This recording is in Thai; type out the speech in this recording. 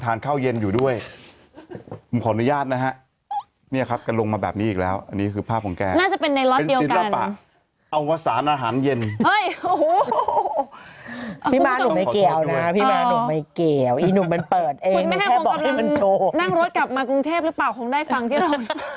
ถ่ายแหละรับมากรุงเทพหรือเปล่าคงได้ฟังที่เรา